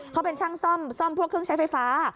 เขาเป็นช่างซ่อมพวกเครื่องใช้ไฟฟ้า